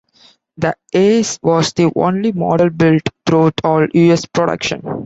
The Ace was the only model built through all U. S. production.